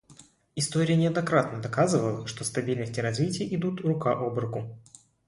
История неоднократно доказывала, что стабильность и развитие идут рука об руку.